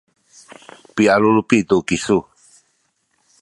pialulupi tu kisu